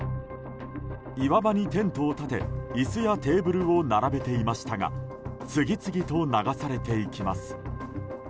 岩場にテントを立て椅子やテーブルを並べていましたが次々と流されていきます。